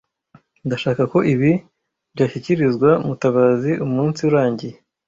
Ndashaka ko ibi byashyikirizwa Mutabazi umunsi urangiye.